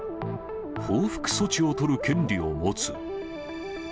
報復措置を取る権利を持つ。